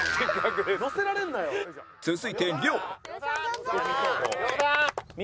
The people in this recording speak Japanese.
続いて亮